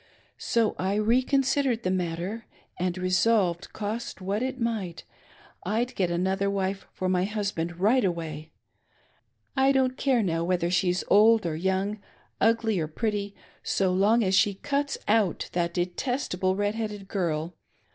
So I reconsidered the matter and resolved, cost what it might, I'd get another wife for my husband right away. I don't care now whether she's old or young, ugly or pretty,. so long as she cuts out that detestable red headed girl.